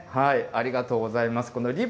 ありがとうございます。